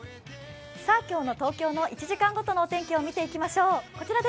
今日の東京の１時間ごとのお天気を見ていきましょう。